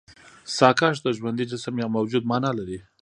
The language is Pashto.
ساکښ د ژوندي جسم يا موجود مانا لري.